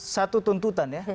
satu tuntutan ya